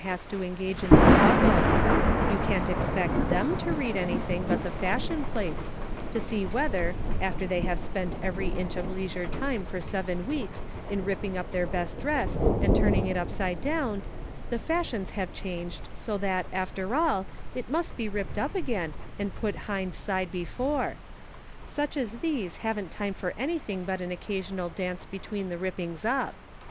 1 29 has to engage in the struggle ; you can't expect them to read anything but the fashion plates, to see whether, after they have spent every inch of leisure time for seven weeks in ripping up their best dress and turning it upside down, the fashions have changed so that, after all, it must be ripped up again and put hind side before. Such as these haven't time for anything but an occasional dance between the rippings up.